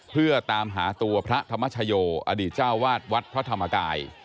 เพื่อตามหาตัวพระธรรมชโยอดีตเจ้าวาดวัดพระธรรมกาย